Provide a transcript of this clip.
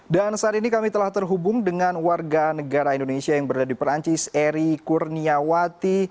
dan saat ini kami telah terhubung dengan warga negara indonesia yang berada di perancis eri kurniawati